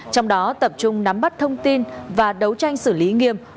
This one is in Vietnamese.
trong đó tập trung nắm bắt thông tin và đấu tranh xử lý nghiêm